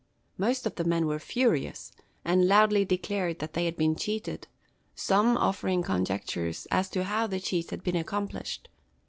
Most of the men were furious, and loudly declared that they had been cheated, some offering conjectures as to how the cheat had been accomplished.